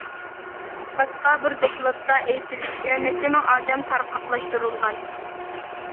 باشقا بىر دوكلاتتا ئېيتىلىشىچە نەچچە مىڭ ئادەم تارقاقلاشتۇرۇلغان.